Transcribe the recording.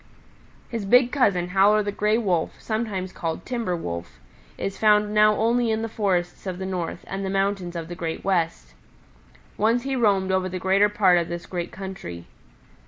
"His big cousin, Howler the Gray Wolf, sometimes called Timber Wolf is found now only in the forests of the North and the mountains of the Great West. Once he roamed over the greater part of this great country.